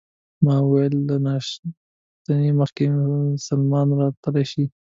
ما وویل: له ناشتې مخکې سلمان راتلای شي؟